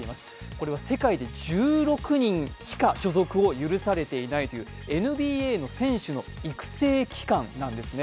これは世界で１６人しか所属を許されていないという、ＮＢＡの選手の育成機関なんですね。